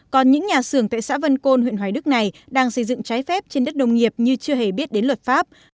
còn những nhà xưởng tại xã vân côn huyện hoài đức này đang xây dựng trái phép trên đất nông nghiệp